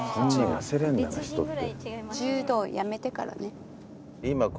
痩せられんだな人って。